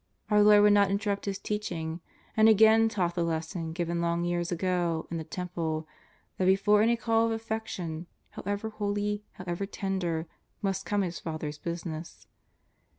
'' Our Lord would not interrupt His teaching, and again taught the lesson given long years ago in the Temple, that before any call of affection, however holy, however tender, must come His Father's business.